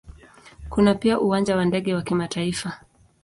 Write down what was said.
Kuna pia Uwanja wa ndege wa kimataifa.